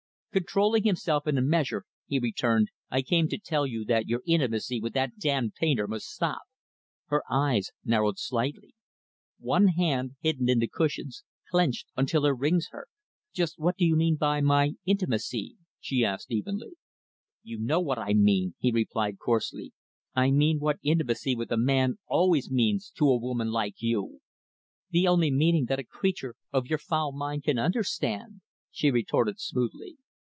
Controlling himself, in a measure, he returned, "I came to tell you that your intimacy with that damned painter must stop." Her eyes narrowed slightly. One hand, hidden in the cushions, clenched until her rings hurt. "Just what do you mean by my intimacy?" she asked evenly. "You know what I mean," he replied coarsely. "I mean what intimacy with a man always means to a woman like you." "The only meaning that a creature of your foul mind can understand," she retorted smoothly.